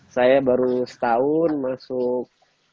saya baru setahun masuk